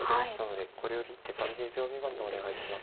これより一手３０秒未満でお願いします。